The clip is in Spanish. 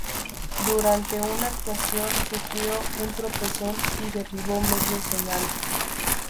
Durante una actuación sufrió un tropezón y derribó medio escenario.